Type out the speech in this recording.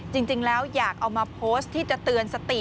จริงแล้วอยากเอามาโพสต์ที่จะเตือนสติ